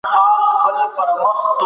واکمن پوړ ته بايد د ظلم اجازه ورنکړل سي.